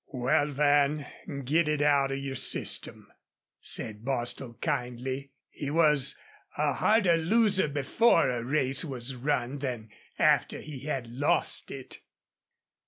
"Wal, Van, get it out of your system," said Bostil, kindly. He was a harder loser before a race was run than after he had lost it.